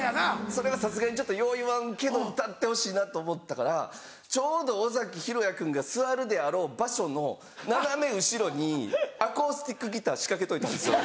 それはさすがによう言わんけど歌ってほしいなと思ったからちょうど尾崎裕哉君が座るであろう場所の斜め後ろにアコースティックギター仕掛けといたんですよ。